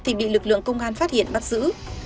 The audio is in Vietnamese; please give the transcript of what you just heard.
thì bị lực lượng công an phát hiện bắt giữ